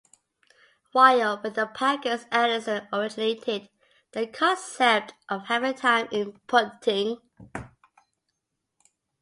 While with the Packers, Anderson originated the concept of hang time in punting.